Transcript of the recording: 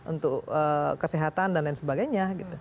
untuk kesehatan dan lain sebagainya